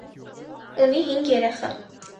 Ունի հինգ երեխա։